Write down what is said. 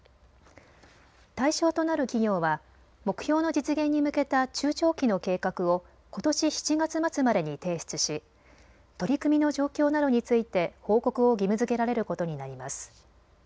対象となる企業は目標の実現に向けた中長期の計画をことし７月末までに提出し取り組みの状況などについて報告を義務づけられることになります。